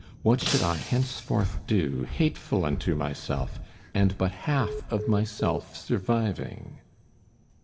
What should I henceforth do, hateful unto myself, and but half of myself surviving?"